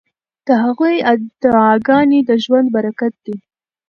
د هغوی دعاګانې د ژوند برکت دی.